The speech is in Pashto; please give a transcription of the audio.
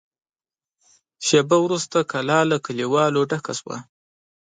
شېبه وروسته کلا له کليوالو ډکه شوه.